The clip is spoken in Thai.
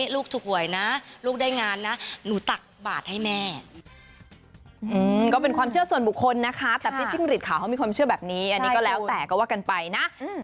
ลูกถูกหวยนะลูกได้งานนะหนูตักบาทให้แม่ก็เป็นความเชื่อส่วนบุคคลนะคะแต่พี่จิ้งหลีดขาวเขามีความเชื่อแบบนี้อันนี้ก็แล้วแต่ก็ว่ากันไปนะ